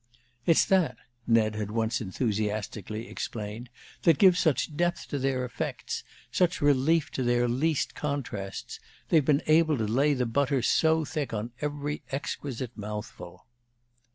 "It's that," Ned had once enthusiastically explained, "that gives such depth to their effects, such relief to their least contrasts. They've been able to lay the butter so thick on every exquisite mouthful."